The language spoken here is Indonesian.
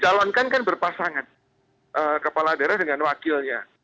dicalonkan kan berpasangan kepala daerah dengan wakilnya